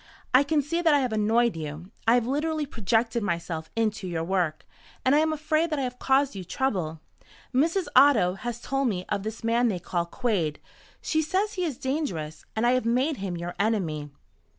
"I can see that I have annoyed you. I have literally projected myself into your work, and I am afraid that I have caused you trouble. Mrs. Otto has told me of this man they call Quade. She says he is dangerous. And I have made him your enemy."